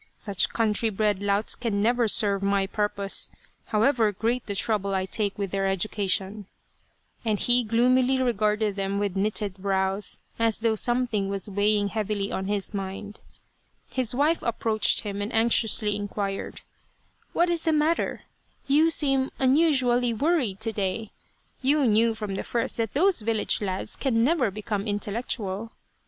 " Such country bred louts can never serve my purpose, however great the trouble I take with their education," and he gloomily regarded them with knitted brows, as though something was weighing heavily on his mind. His wife approached him and anxiously inquired :" What is the matter ? You seem unusually 198 Loyal, Even Unto Death worried to day. You knew from the first that those village lads can never become intellectual.